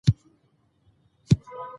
دښتې د افغانستان د کلتوري میراث برخه ده.